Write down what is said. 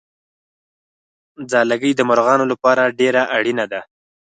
ځالګۍ د مرغانو لپاره ډېره اړینه ده.